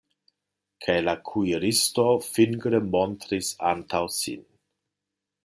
Kaj la kuiristo fingre montris antaŭ sin.